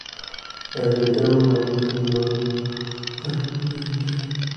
El retablo mayor está adosado al muro oriental.